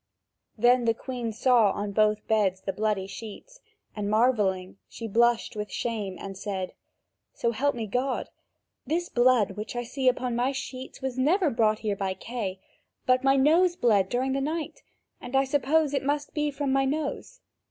Then the Queen saw on both beds the bloody sheets, and marvelling, she blushed with shame and said: "So help me God, this blood which I see upon my sheets was never brought here by Kay, but my nose bled during the night, and I suppose it must be from my nose."